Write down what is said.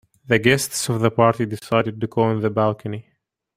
The guests of the party decided to go on the balcony.